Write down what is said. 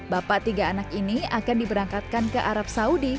bapak tiga anak ini akan diberangkatkan ke arab saudi